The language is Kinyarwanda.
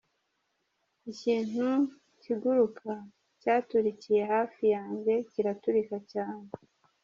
"Ikintu kiguruka cyaturikiye hafi yanjye, kiraturika cyane.